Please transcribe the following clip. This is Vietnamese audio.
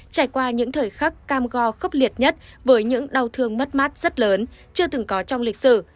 trải qua những thời khắc cam go khốc liệt nhất với những đau thương mất mát rất lớn chưa từng có trong lịch sử